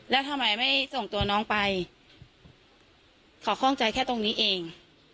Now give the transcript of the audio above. แล้วทำไมไม่ส่งตัวน้องไปเขาคล่องใจแค่ตรงนี้เอง